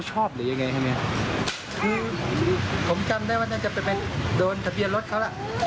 ซื้อตามทะเบียนรถเขา